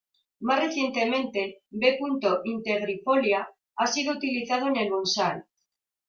Más recientemente, "B. integrifolia" ha sido utilizado en el bonsái.